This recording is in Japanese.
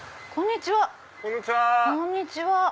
こんにちは。